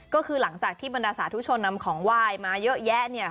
ก็คือหลังจากที่บรรดาสาธุชนนำของไหว้มาเยอะแยะ